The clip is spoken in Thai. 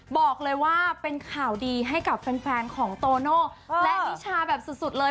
บอกเลยว่าเป็นข่าวดีให้กับแฟนของโตโน่และนิชาแบบสุดเลย